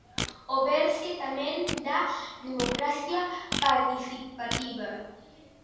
O berce tamén da democracia participativa.